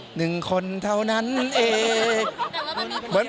หนึ่งคนเท่านั้นเอง